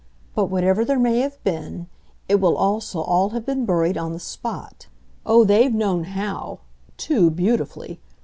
But whatever there may have been, it will also all have been buried on the spot. Oh, they've known HOW too beautifully!